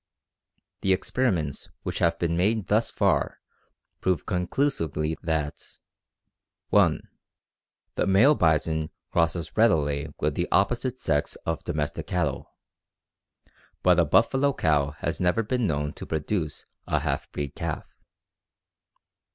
The experiments which have been made thus far prove conclusively that (1) The male bison crosses readily with the opposite sex of domestic cattle, but a buffalo cow has never been known to produce a half breed calf.